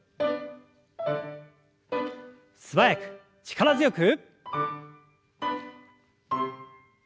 素早く力強く。